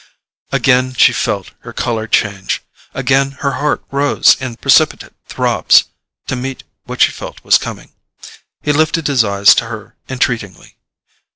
Again she felt her colour change; again her heart rose in precipitate throbs to meet what she felt was coming. He lifted his eyes to her entreatingly.